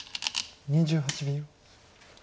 ２８秒。